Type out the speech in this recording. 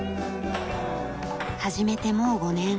始めてもう５年。